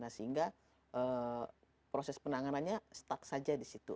nah sehingga proses penanganannya stuck saja di situ